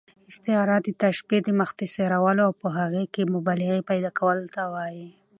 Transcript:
استعاره د تشبیه، مختصرولو او په هغې کښي مبالغې پیدا کولو ته وايي.